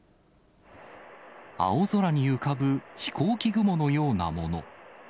青空に浮かぶ飛行機雲のようなもの。